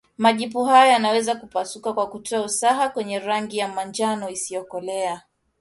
Majipu haya yanaweza kupasuka na kutoa usaha wenye rangi ya manjano isiyokolea